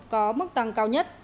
có mức tăng cao nhất